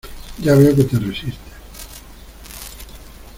Ya veo que te resistes.